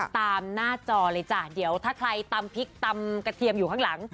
ตามหน้าจอเลยจ้ะเดี๋ยวถ้าใครตำพริกตำกระเทียมอยู่ข้างหลัง